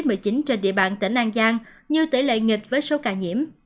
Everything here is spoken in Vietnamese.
các dịch covid một mươi chín trên địa bàn tỉnh an giang như tỷ lệ nghịch với số ca nhiễm